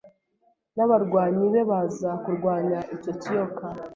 nabarwanyi be baza kurwanya icyo kiyoka